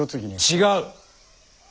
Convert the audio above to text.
違う！